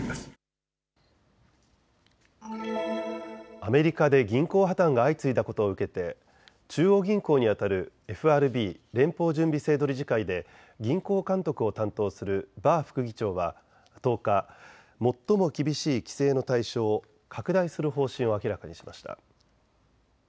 アメリカで銀行破綻が相次いだことを受けて中央銀行にあたるＦＲＢ・連邦準備制度理事会で銀行監督を担当するバー副議長は１０日、最も厳しい規制の対象を拡大する方針を明らかにしました。